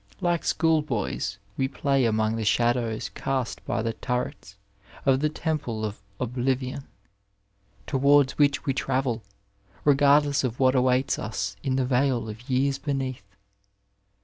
Like schoolboys we play among the shadows cast by the turrets of the temple of oblivion, towards which we travel, regardless of what awaits us in the vale of years beneath.